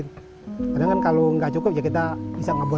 kadang kan kalau nggak cukup ya kita bisa ngabubur